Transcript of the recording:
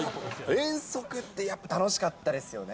遠足ってやっぱ楽しかったですよね。